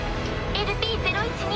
ＬＰ０１２